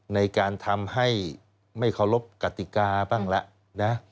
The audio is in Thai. ในการทำให้ไม่เคารพกติกาบ้างแล้วนะ